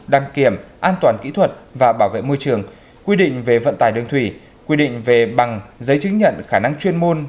đăng kiểm an toàn kỹ thuật và bảo vệ môi trường quy định về vận tải đường thủy quy định về bằng giấy chứng nhận khả năng chuyên môn